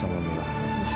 terima kasih pak